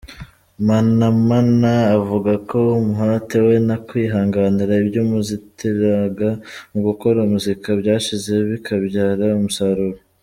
Manamana avuga ko umuhate we no kwihanganira ibyamuzitiraga mu gukora muzika byashyize bikabyara umusaruro.